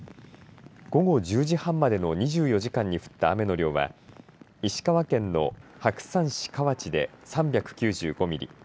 午後１０時半までの２４時間に降った雨の量は石川県の白山市河内で３９５ミリ